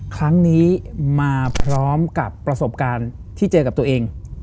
ครั้งนี้มาพร้อมกับประสบการณ์ที่เจอกับตัวเอง